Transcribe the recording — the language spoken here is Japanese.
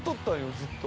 ずっと。